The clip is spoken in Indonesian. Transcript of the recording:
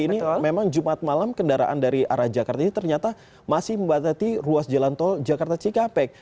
ini memang jumat malam kendaraan dari arah jakarta ini ternyata masih membatasi ruas jalan tol jakarta cikampek